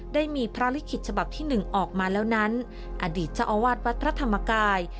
ได้มีพระลิขิตฉบับที่๑ออกมาแล้วนั้นอดีตเจ้าอาวาสวัดพระธรรมกาย